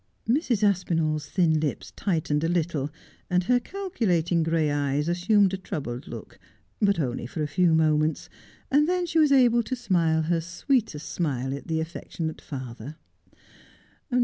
Mrs. Aspinall's thin lips tightened a little, and her calculating gray eyes assumed a troubled look, but only for a few moments, and then she was able to smile her sweetest smile at the affection ate father.